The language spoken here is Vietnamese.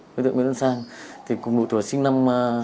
đối tượng nguyễn văn sang thì cũng đối tượng sinh năm hai nghìn một mươi ba